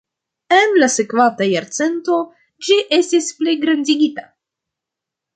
En la sekvanta jarcento ĝi estis pligrandigita.